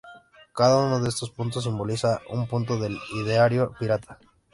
Cada uno de estos puntos simboliza un punto del Ideario Pirata.